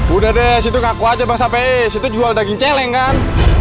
udah deh situ kaku aja bang sampai situ jual daging celeng kan